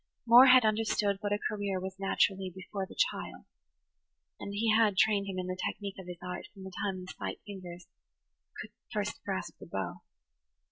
Moore had understood what a career was naturally before the child, and he had [Page 95] trained him in the technique of his art from the time the slight fingers could first grasp the bow.